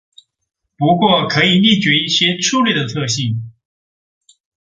不过可以列举一些粗略的特征。